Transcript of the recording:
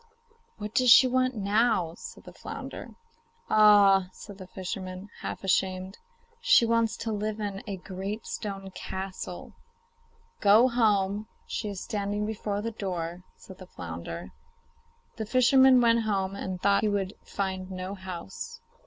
'What does she want now?' said the flounder. 'Ah!' said the fisherman, half ashamed, 'she wants to live in a great stone castle.' 'Go home; she is standing before the door,' said the flounder. The fisherman went home and thought he would find no house.